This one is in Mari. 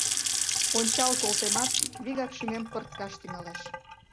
Ончал колтемат, вигак шӱмем пырткаш тӱҥалеш.